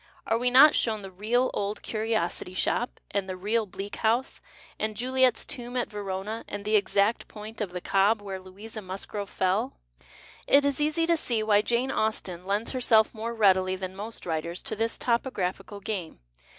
Arc we not shown the " real " Old Curiosity Shop ? And the " real " Bleak House ? rv 257 s PASTICHE AND PREJUDICE And Juliets tomb at Verona* And the exact point of the Cobb where Louisa Musgrove fell ? It is easy to see why Jane Austen lends herself more readily than most \vriters to this topographical pamc.